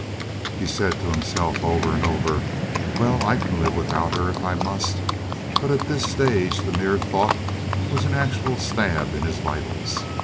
He said to himself over and over, "Well, I can live without her if I must," but at this stage the mere thought was an actual stab in his vitals.